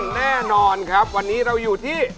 แน่นอนครับวันนี้เราอยู่ที่